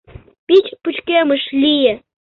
Пич пычкемыш лие.